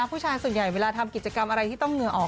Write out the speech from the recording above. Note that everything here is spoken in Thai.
ผู้ชายส่วนใหญ่เวลาทำกิจกรรมอะไรที่ต้องเหงื่อออก